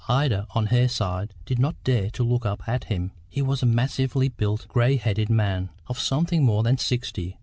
Ida, on her side, did not dare to look up at him. He was a massively built, grey headed man of something more than sixty.